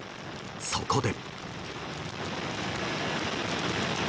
そこで。